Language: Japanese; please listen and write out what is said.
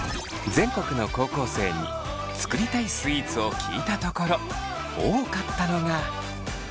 全国の高校生に「作りたいスイーツ」を聞いたところ多かったのが。